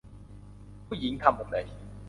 ผู้หญิงทำหมดเลย